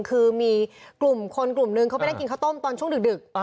คือมีกลุ่มคนกลุ่มนึงเขาไปนั่งกินข้าวต้มตอนช่วงดึก